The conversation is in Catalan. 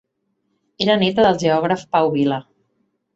Era néta del geògraf Pau Vila.